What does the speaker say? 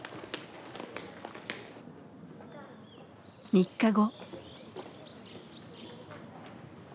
３日後。